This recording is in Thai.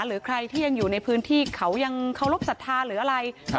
หรือใครที่ยังอยู่ในพื้นที่เขายังเคารพสัทธาหรืออะไร